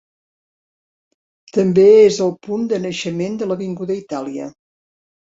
També és el punt de naixement de l'Avinguda Itàlia.